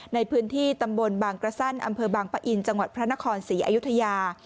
ในพื้นที่ตำบลบางกระสั้นอำเภอบางปะอินจังหวัดพระนครศรีอยุธยา